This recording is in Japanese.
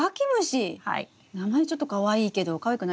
名前ちょっとかわいいけどかわいくないですね。